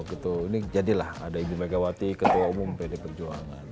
ini jadilah ada ibu megawati ketua umum pd perjuangan